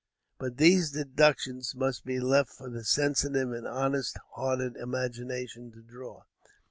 But these deductions must be left for the sensitive and honest hearted imagination to draw.